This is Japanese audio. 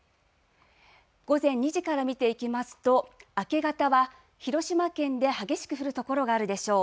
午前２時から見ていきますと明け方は広島県で激しく降る所があるでしょう。